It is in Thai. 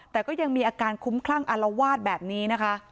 แต่ก็ยังมีอาการคุ้มคลั่งอารวาสแบบนี้นะคะ